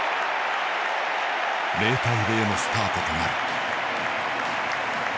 ０対０のスタートとなる。